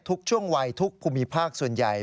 ช่วงวัยทุกภูมิภาคส่วนใหญ่